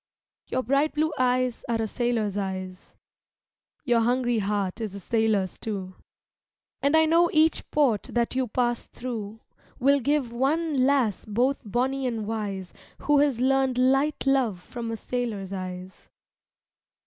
Your bright blue eyes are a sailor's eyes, Your hungry heart is a sailor's, too. And I know each port that you pass through Will give one lass both bonny and wise Who has learned light love from a sailor's eyes.